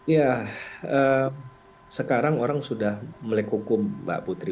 ya sekarang orang sudah melek hukum mbak putri